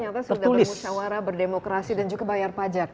ternyata sudah bermusyawara berdemokrasi dan juga bayar pajak ya